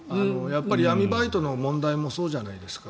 闇バイトの問題もそうじゃないですか。